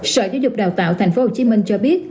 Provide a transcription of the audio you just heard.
sở giáo dục đào tạo tp hcm cho biết